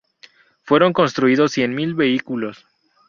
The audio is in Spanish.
Fueron construidos cien mil vehículos.